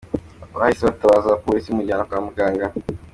Bahise batabaza polisi imujyana kwa muganga.